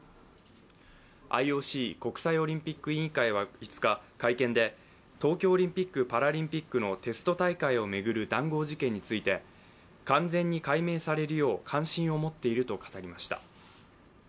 ＩＯＣ＝国際オリンピック委員会は５日、会見で東京オリンピック・パラリンピックのテスト大会を巡る談合事件について、完全に解明されるよう関心を持っていると語りました。